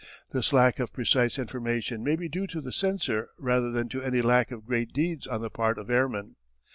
This lack of precise information may be due to the censor rather than to any lack of great deeds on the part of airmen.